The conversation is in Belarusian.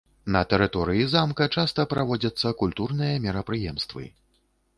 На тэрыторыі замка часта праводзяцца культурныя мерапрыемствы.